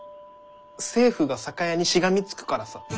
政府が酒屋にしがみつくからさ。